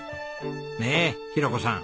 ねえ裕子さん